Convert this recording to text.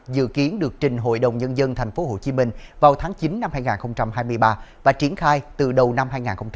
dự kiến được trình hội đồng nhân dân tp hcm vào tháng chín năm hai nghìn hai mươi ba và triển khai từ đầu năm hai nghìn hai mươi bốn